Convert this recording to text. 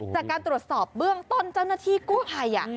จากการตรวจสอบเบื้องต้นเจ้าหน้าที่กู้ภัย